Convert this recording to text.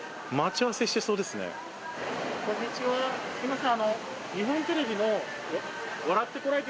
すいません。